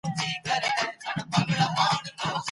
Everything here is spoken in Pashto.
سوسیالیزم یو مهم فکري جریان و.